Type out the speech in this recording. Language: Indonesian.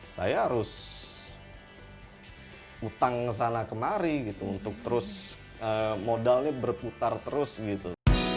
saya harus utang sana kemari gitu untuk terus modalnya berputar terus gitu